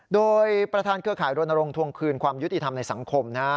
โดยประธานเกษฐรรณรงค์ทวงคืนความยุติธรรมในสังคมนะ